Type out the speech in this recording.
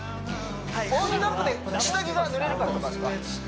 ウォーミングアップで下着が濡れるからとかですか？